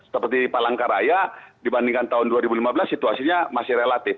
seperti palangkaraya dibandingkan tahun dua ribu lima belas situasinya masih relatif